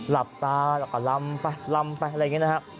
หลับตาแล้วก็ลำไปลำไปอะไรอย่างนี้นะฮะ